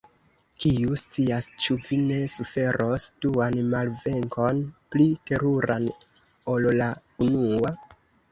Kiu scias, ĉu vi ne suferos duan malvenkon, pli teruran ol la unua?